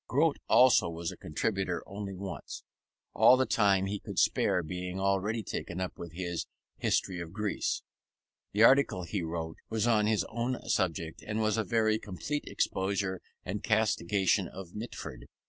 Grote also was a contributor only once; all the time he could spare being already taken up with his History of Greece. The article he wrote was on his own subject, and was a very complete exposure and castigation of Mitford.